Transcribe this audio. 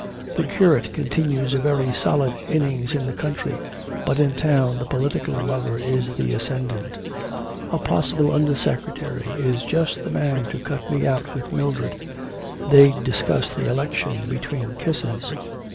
The curate continues a very solid innings in the country; but in town the political lover is in the ascendent. 'A possible under secretary is just the man to cut me out with Mildred.... They'd discuss the elections between kisses.'